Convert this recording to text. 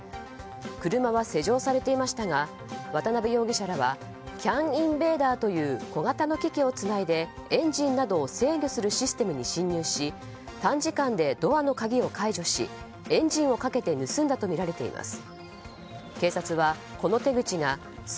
車は施錠されていましたが渡辺容疑者らはＣＡＮインベーダーという小型の機器をつないでエンジンなどを制御するシステムに侵入し短時間でドアの鍵を解除しエンジンをかけて盗んだとみられています。